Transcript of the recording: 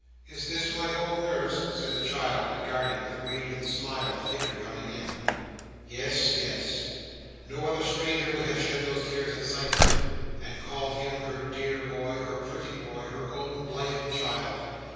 Is this my old nurse?" said the child, regarding with a radiant smile, a figure coming in. Yes, yes. No other stranger would have shed those tears at sight of him, and called him her dear boy, her pretty boy, her own poor blighted child.